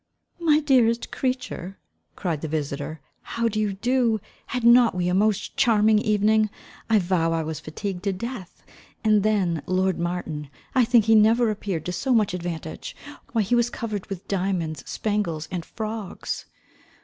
"My dearest creature," cried the visitor, "how do you do? Had not we not a most charming evening? I vow I was fatigued to death: and then, lord Martin, I think he never appeared to so much advantage. Why he was quite covered with diamonds, spangles, and frogs."